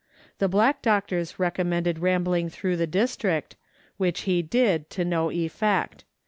The black doctors recom mended rambling through the district, which he did, to no effect.